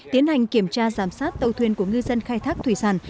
tiến hành kiểm tra giám sát tàu thuyền của ngư dân khai thác thủy sản